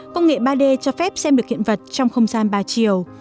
công nghệ ba d cho phép xem được hiện vật trong không gian ba chiều